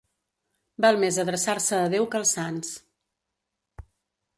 Val més adreçar-se a Déu que als sants.